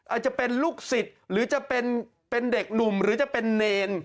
อาจจะเป็นลูกศิษย์หรือจะเป็นเด็กหนุ่มหรือจะเป็นเนร